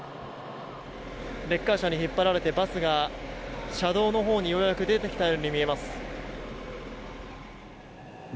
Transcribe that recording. レッカー車に引っ張られてバスが車道のほうにようやく出てきたように見えます。